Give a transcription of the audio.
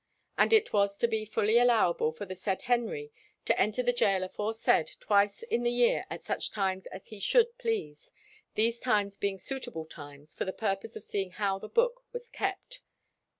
And it was to be fully allowable for the said Henry to enter the gaol aforesaid twice in the year at such times as he should please, these times being suitable times, for the purpose of seeing how the book was kept."